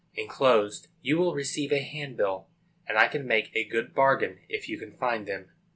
Enclosed you will receive a handbill, and I can make a good bargain, if you can find them.